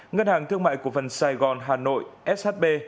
ngân hàng thương mại cổ phần sài gòn hà nội shb